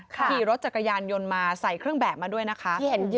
ขี่รถจักรยานยนต์มาใส่เครื่องแบบมาด้วยนะคะ